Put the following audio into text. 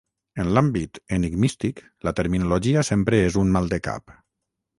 En l'àmbit enigmístic la terminologia sempre és un maldecap.